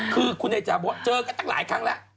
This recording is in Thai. คือคุณไอจาบอกว่าเจอกันตั้งหลายครั้งแล้ว